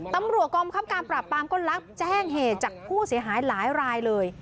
ตำรวจกองบังคับการปราบปรามก็รับแจ้งเหตุจากผู้เสียหายหลายรายเลย